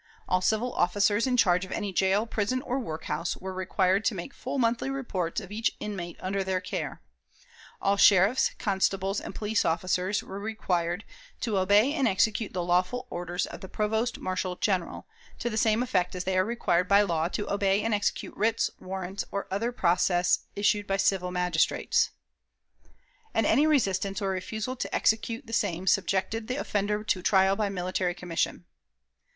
All civil officers in charge of any jail, prison, or workhouse, were required to make full monthly reports of each inmate under their care. All sheriffs, constables, and police officers were required "to obey and execute the lawful orders of the Provost Marshal General, to the same effect as they are required by law to obey and execute writs, warrants, or other process issued by civil magistrates," and any resistance or refusal to execute the same subjected the offender to trial by military commission.